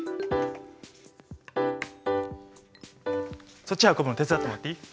そっち運ぶの手伝ってもらっていい？